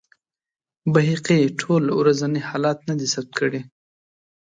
بیهقي ټول ورځني حالات نه دي ثبت کړي.